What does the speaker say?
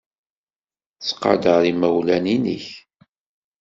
Ttqadar imawlan-nnek.